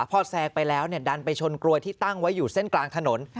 พอแซงไปแล้วดันไปชนกลวยที่ตั้งไว้อยู่เส้นกลางถนน